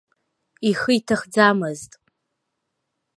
Ихы иҭахӡамызт.